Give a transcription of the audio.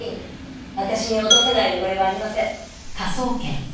私に落とせない汚れはありません。